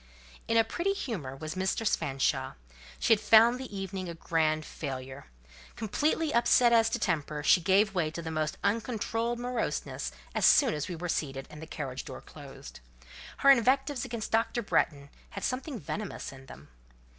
In a pretty humour was Mistress Fanshawe; she had found the evening a grand failure: completely upset as to temper, she gave way to the most uncontrolled moroseness as soon as we were seated, and the carriage door closed. Her invectives against Dr. Bretton had something venomous in them.